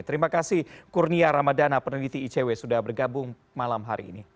terima kasih kurnia ramadana peneliti icw sudah bergabung malam hari ini